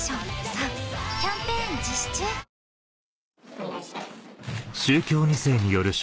お願いします。